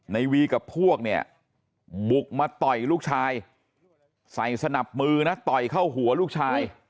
ในวีกับพวกเนี่ยบุกมาต่อยลูกชายใส่สนับมือนะต่อยเข้าหัวลูกชาย